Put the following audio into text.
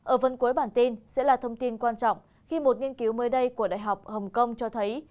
ở phần cuối bản tin sẽ là thông tin quan trọng khi một nghiên cứu mới đây của đại học hồng kông cho thấy